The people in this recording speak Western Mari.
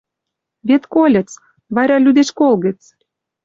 Вет кольыц?.. Варя лӱдеш кол гӹц?..